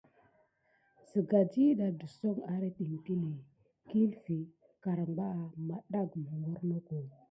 Sikane ɗiɗa tiso érente tikilé, kilfi karbanga, metda hogornoko.